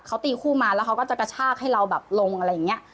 เขาตีคู่มาแล้วเขาก็จะกระชากให้เราแบบลงอะไรอย่างนี้